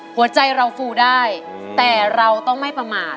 หัวใจเราฟูได้แต่เราต้องไม่ประมาท